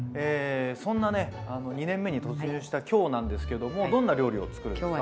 そんなね２年目に突入した今日なんですけどもどんな料理を作るんですか？